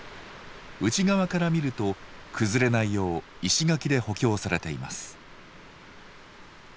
内側から見ると崩れないよう石垣で補強されています。